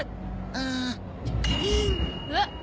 あっ。